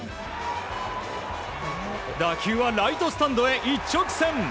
打球はライトスタンドへ一直線！